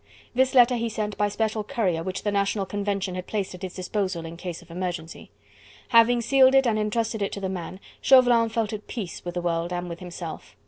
This letter he sent by special courier which the National Convention had placed at his disposal in case of emergency. Having sealed it and entrusted it to the man, Chauvelin felt at peace with the world and with himself.